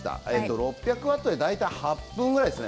６００ワットで大体８分ぐらいですね。